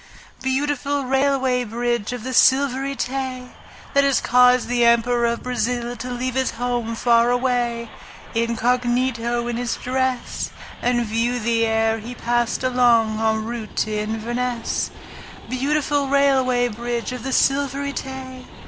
Beautiful Railway Bridge of the Silvery Tay! That has caused the Emperor of Brazil to leave His home far away, incognito in his dress, And view thee ere he passed along en route to Inverness. Beautiful Railway Bridge of the Silvery Tay!